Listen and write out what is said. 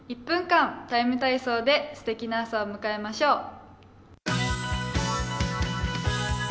１分間、「ＴＩＭＥ，体操」ですてきな朝を迎えましょう。